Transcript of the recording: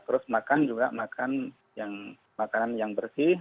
terus makan juga makan makanan yang bersih